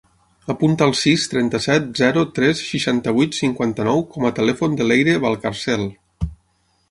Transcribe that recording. Apunta el sis, trenta-set, zero, tres, seixanta-vuit, cinquanta-nou com a telèfon de l'Eire Valcarcel.